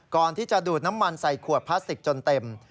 ก่อนที่จะดูดน้ำมันใส่ขวดพลาสติกจนเต็ม